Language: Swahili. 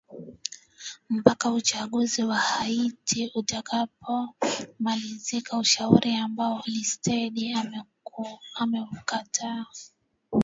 mpaka uchaguzi wa haiti utakapo malizika ushauri ambao alistede ameukataa